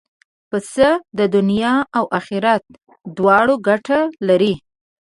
پسه د دنیا او آخرت دواړو ګټه لري.